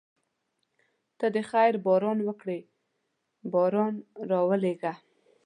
ته د خیر باران وکړې باران راولېږه.